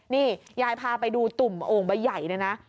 นี่ยายพาไปดูตุ่มโอ่งใบใหญ่เนี่ยนะ